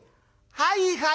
はいはい。